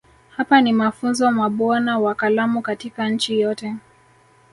Hapa ni mafunzo mabwana wa kalamu katika nchi yote